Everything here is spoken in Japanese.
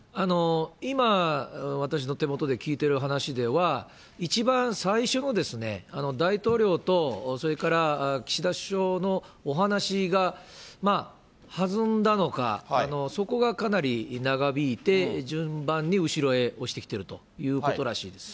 今、私の手元で聞いてる話では、一番最初の大統領とそれから岸田首相のお話が弾んだのか、そこがかなり長引いて、順番に後ろへ押してきてるということらしいです。